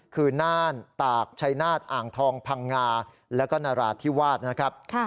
คือน่านตากชัยนาฏอ่างทองพังงาแล้วก็นราธิวาสนะครับ